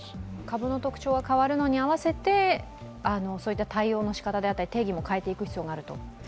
株の特徴が変わるのに合わせて対応のしかたであったり定義も変えていく必要があると。